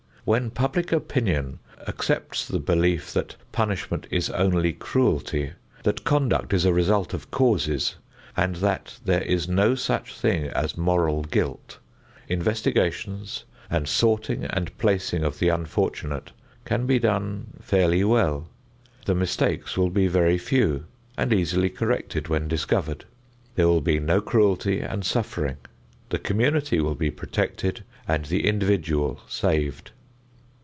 When public opinion accepts the belief that punishment is only cruelty, that conduct is a result of causes, and that there is no such thing as moral guilt, investigations and sorting and placing of the unfortunate can be done fairly well. The mistakes will be very few and easily corrected when discovered. There will be no cruelty and suffering. The community will be protected and the individual saved.